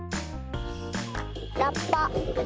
ラッパ。